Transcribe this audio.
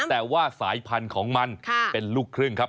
แต่ว่าสายพันธุ์ของมันเป็นลูกครึ่งครับ